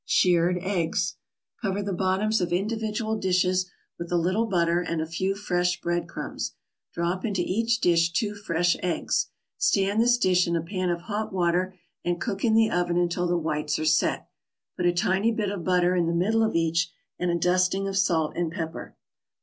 SHIRRED EGGS Cover the bottoms of individual dishes with a little butter and a few fresh bread crumbs; drop into each dish two fresh eggs; stand this dish in a pan of hot water and cook in the oven until the whites are "set." Put a tiny bit of butter in the middle of each, and a dusting of salt and pepper.